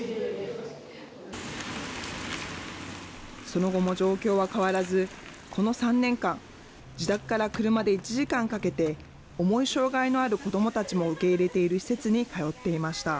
その後も状況は変わらず、この３年間、自宅から車で１時間かけて、重い障害のある子どもたちも受け入れている施設に通っていました。